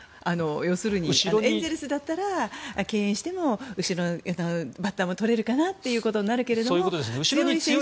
要するにエンゼルスだったら敬遠しても後ろのバッターも取れるかなとなるけど。